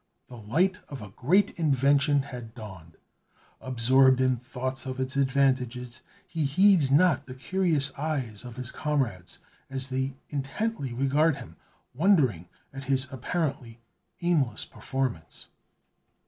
The light of a great invention had dawned. Absorbed in thoughts of its advantages, he heeds not the curious eyes of his comrades, as they intently regard him, wondering at his apparently aimless performance.